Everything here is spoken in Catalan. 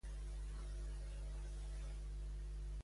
I què en fa amb Florette?